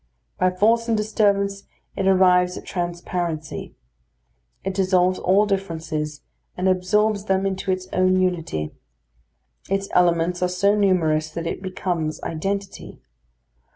By force and disturbance, it arrives at transparency. It dissolves all differences, and absorbs them into its own unity. Its elements are so numerous that it becomes identity.